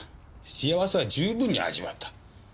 幸せは十分に味わった。